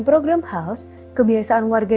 program hals kebiasaan warga